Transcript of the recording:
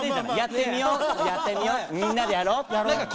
みんなでやろう。